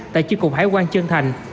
tại chiếc cục hải quan trân thành